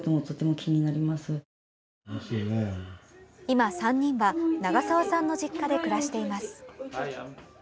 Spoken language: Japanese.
今、３人は長澤さんの実家で暮らしています。